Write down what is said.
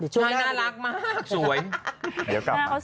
ใช่